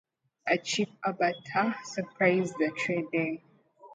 A "chief arbitor" supervised the trading.